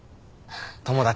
友達。